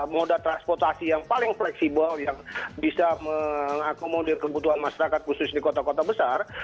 moda transportasi yang paling fleksibel yang bisa mengakomodir kebutuhan masyarakat khusus di kota kota besar